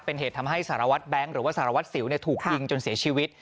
เป็นเหตุทำให้สารวัตรแบงค์หรือว่าสารวัตรสิวถูกยิงจนเสียชีวิต